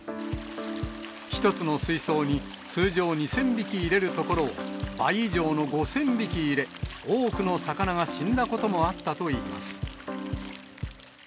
１つの水槽に通常２０００匹入れるところを、倍以上の５０００匹入れ、多くの魚が死んだこともあったといいます。